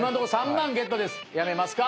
やめますか？